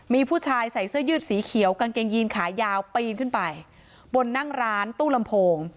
มีผู้ชายใส่เสื้อยืดสีเขียวกางเกงยีนขายาวปีนขึ้นไปบนนั่งร้านตู้ลำโพง